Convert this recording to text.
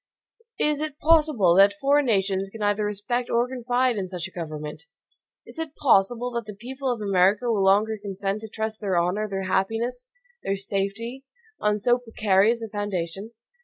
Is it possible that foreign nations can either respect or confide in such a government? Is it possible that the people of America will longer consent to trust their honor, their happiness, their safety, on so precarious a foundation?